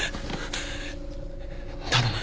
頼む。